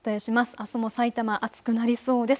あすも埼玉、暑くなりそうです。